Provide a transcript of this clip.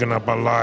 harusnya apa pak